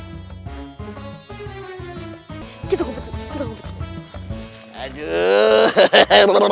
kita kumpul dulu